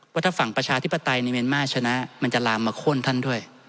ว่าถ้าฝั่งประชาธิปไตยในเมียนมาร์ชนะมันจะลามมาโค้นท่านด้วย